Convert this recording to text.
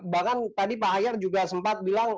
bahkan tadi pak ahyar juga sempat bilang